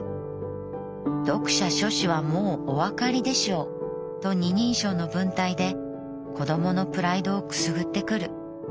『読者諸氏はもうおわかりでしょう』と２人称の文体で子どものプライドをくすぐってくる。